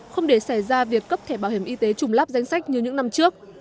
không để xảy ra việc cấp thẻ bảo hiểm y tế trùng lắp danh sách như những năm trước